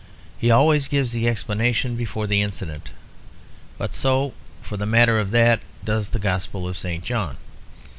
He always gives the explanation before the incident; but so, for the matter of that, does the Gospel of St. John.